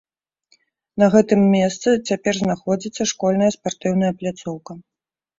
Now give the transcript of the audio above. На гэтым месцы цяпер знаходзіцца школьная спартыўная пляцоўка.